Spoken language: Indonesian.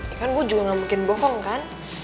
ya kan gue juga gak mungkin bohong kan